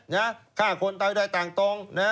ฆ่าคนต้องให้ได้ต่างตรง